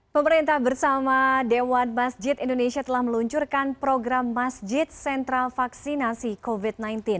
pemerintah bersama dewan masjid indonesia telah meluncurkan program masjid sentral vaksinasi covid sembilan belas